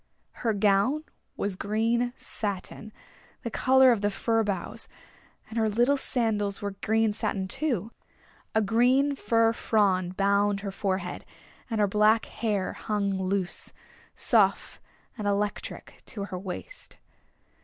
Her gown was green satin, the color of the fir boughs, and her little sandals were green satin, too. A green fir frond bound her forehead; and her black hair hung loose, soft and electric to her waist.